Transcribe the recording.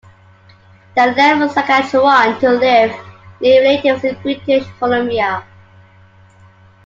They left Saskatchewan to live near relatives in British Columbia.